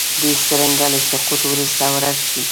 دوی څرنګه له سقوط وروسته ورک شي.